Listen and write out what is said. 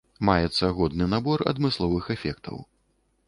Маецца годны набор адмысловых эфектаў.